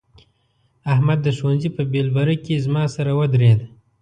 احمد د ښوونځي په بېلبره کې زما سره ودرېد.